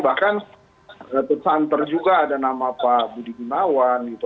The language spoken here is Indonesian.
bahkan pesantar juga ada nama pak budi binawan gitu